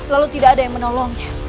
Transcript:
lalu tidak ada yang menolongnya